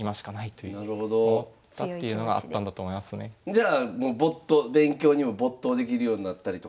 じゃあ勉強にも没頭できるようになったりとか。